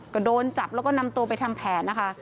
ก็โดนจับแล้วก็นำตัวไปทำแผนนะคะ